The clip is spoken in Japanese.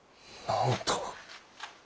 なんと。